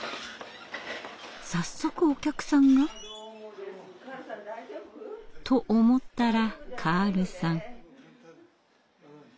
早速お客さんが？と思ったらカールさん。